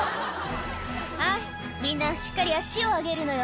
「はいみんなしっかり足を上げるのよ」